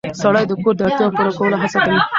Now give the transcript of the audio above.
سړی د کور د اړتیاوو پوره کولو هڅه کوي